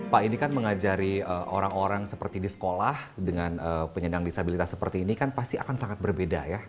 pak ini kan mengajari orang orang seperti di sekolah dengan penyandang disabilitas seperti ini kan pasti akan sangat berbeda ya